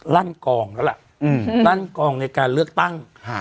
ลั่นกองแล้วล่ะลั่นกองในการเลือกตั้ง